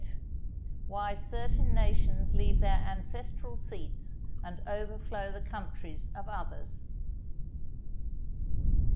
—Why certain Nations leave their ancestral Seats and overflow the Countries of others.